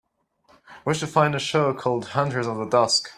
Wish to find the show called Hunters of the Dusk